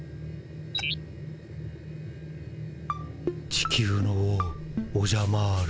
地球の王オジャマール。